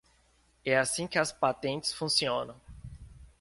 É assim que as patentes funcionam.